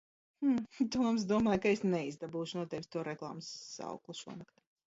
Toms domāja, ka es neizdabūšu no tevis to reklāmas saukli šonakt.